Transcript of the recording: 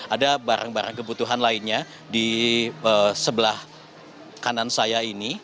ada barang barang kebutuhan lainnya di sebelah kanan saya ini